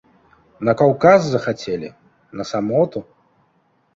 На Каўказ захацелі, на самоту?